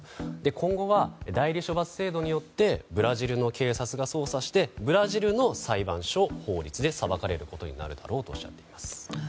今後は、代理処罰制度によってブラジルの警察が捜査してブラジルの裁判所法律で裁かれることになるだろうとおっしゃっています。